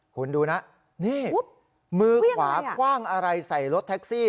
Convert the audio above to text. คุณดูน่ะมือขวางอะไรใส่รถแท็กซี่